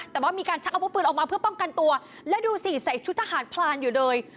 แต่ว่ามีการชักอาวุธปืนออกมาเพื่อป้องกันตัวแล้วดูสิใส่ชุดทหารพลานอยู่เลย